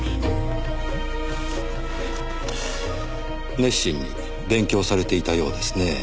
熱心に勉強されていたようですねぇ。